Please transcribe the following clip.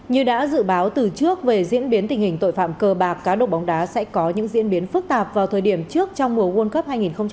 như đã dự báo từ trước về diễn biến tình hình tội phạm cơ bạc cá độ bóng đá sẽ có những diễn biến phức tạp vào thời điểm trước trong mùa world cup hai nghìn hai mươi